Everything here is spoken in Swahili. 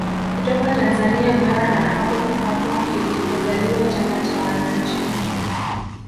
Kutoka Tanzania bara na hapo hapo kilipozaliwa chama cha wananchi